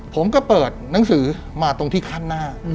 ผมก็เปิดหนังสือมาตรงที่ขั้นหน้า